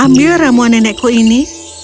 ambil ramuan nenekku ini